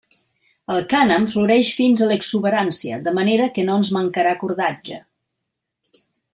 El cànem floreix fins a l'exuberància, de manera que no ens mancarà cordatge.